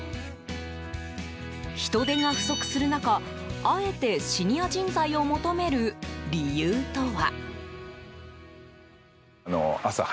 人手が不足する中あえてシニア人材を求める理由とは。